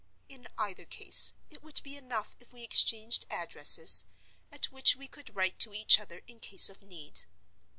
In either case it would be enough if we exchanged addresses, at which we could write to each other in case of need.